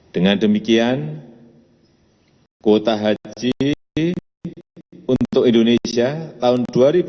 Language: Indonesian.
dengan demikian kuota haji untuk indonesia tahun dua ribu dua puluh